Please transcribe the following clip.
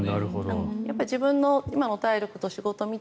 自分の今の体力とか仕事を見て。